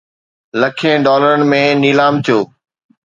لکين ڊالرن ۾ نيلام ٿيو